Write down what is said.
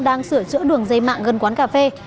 đang sửa chữa đường dây mạng gần quán cà phê